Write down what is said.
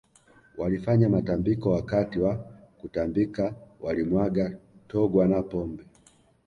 Walifanya matambiko Wakati wa kutambika walimwaga togwa na pombe